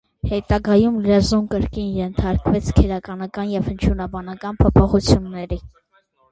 Հետագայում լեզուն կրկին ենթարկվեց քերականական և հնչյունաբանական փոփոխությունների։